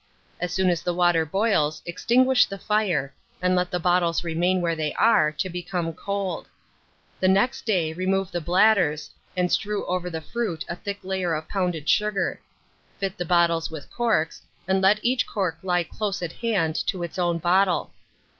As soon as the water boils, extinguish the fire, and let the bottles remain where they are, to become cold. The next day remove the bladders, and strew over the fruit a thick layer of pounded sugar; fit the bottles with corks, and let each cork lie close at hand to its own bottle.